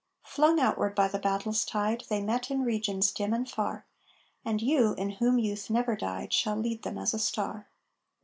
Flung outward by the battle's tide, They met in regions dim and far; And you in whom youth never died Shall lead them, as a star!